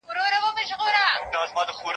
زه هره ورځ د ښوونځي کتابونه مطالعه کوم!؟